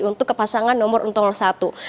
untuk kepasangan nomor untung leluhur satu